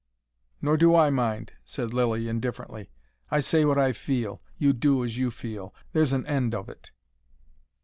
"Nor do I mind," said Lilly indifferently. "I say what I feel You do as you feel There's an end of it."